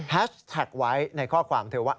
แท็กไว้ในข้อความเธอว่า